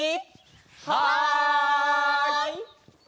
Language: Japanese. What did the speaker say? はい！